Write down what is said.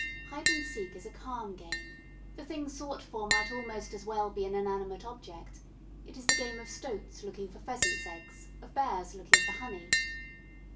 Hide and seek is a calm game; the thing sought for might almost as well be an inanimate object: it is the game of stoats looking for pheasants' eggs, of bears looking for honey.